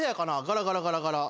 ガラガラガラガラ。